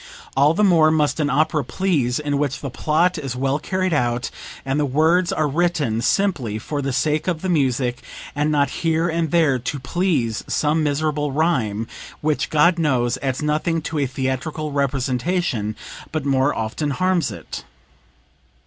All the more must an opera please in which the plot is well carried out, and the words are written simply for the sake of the music and not here and there to please some miserable rhyme, which, God knows, adds nothing to a theatrical representation but more often harms it.